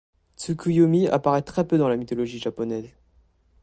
Tsukuyomi apparaît très peu dans la mythologie japonaise.